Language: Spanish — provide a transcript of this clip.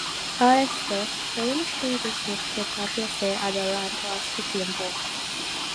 A esto, podemos que decir que Tapia se adelantó a su tiempo.